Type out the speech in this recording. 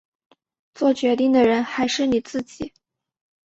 作决定的人还是你自己